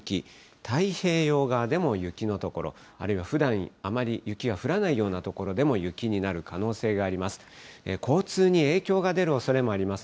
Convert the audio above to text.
太平洋側でも雪の所、あるいは、ふだん、あまり雪が降らないような所でも雪になる可能性があります。